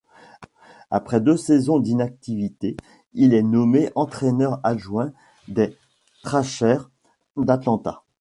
Après deux saisons d'inactivités, il est nommé entraîneur-adjoint des Thrashers d'Atlanta.